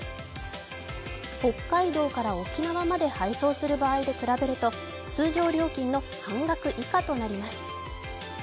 北海道から沖縄まで配送する場合で比べると通常料金の半額以下となります。